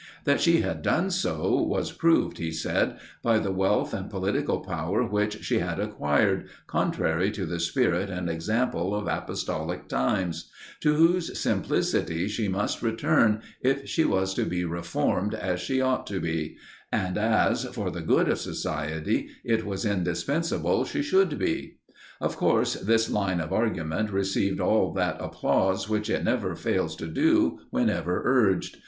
That she had done so, was proved, he said, by the wealth and political power which she had acquired, contrary to the spirit and example of apostolic times; to whose simplicity she must return if she was to be reformed as she ought to be, and as, for the good of society, it was indispensable she should be. Of course, this line of argument received all that applause which it never fails to do whenever urged.